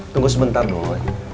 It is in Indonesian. tunggu sebentar doy